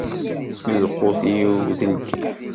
Lqut-iw d lkif.